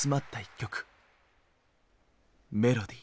「メロディー」。